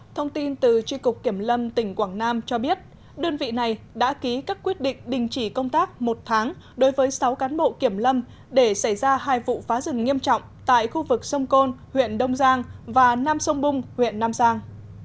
thông tin từ tri cục kiểm lâm tỉnh quảng nam cho biết đơn vị này đã ký các quyết định đình chỉ công tác một tháng đối với sáu cán bộ kiểm lâm để xảy ra hai vụ phá rừng nghiêm trọng tại khu vực sông côn huyện đông giang và nam sông bung huyện nam giang